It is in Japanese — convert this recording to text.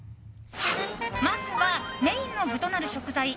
まずはメインの具となる食材。